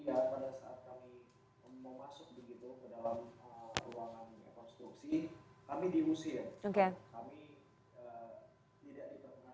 dari usaha perempuan mediana